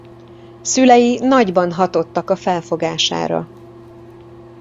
Szülei nagyban hatottak a felfogására.